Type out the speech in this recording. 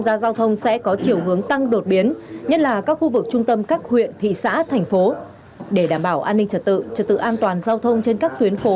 đã thực hiện tốt công tác đảm bảo an ninh trật tự trên địa bàn